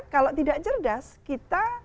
kalau tidak cerdas kita